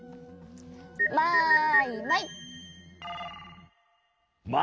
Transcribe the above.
マイマイ！